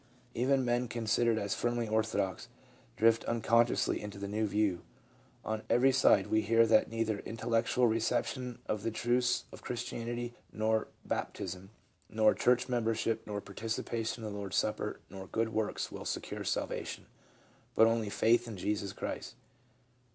Even men con sidered as firmly orthodox drift unconsciously into the new view. On every side we hear that neither intel lectual reception of the truths of Christianity, nor bap tism, nor church membership, nor participation in the Lord's supper, nor good works will secure salvation, but only faith, in Jesus Christ.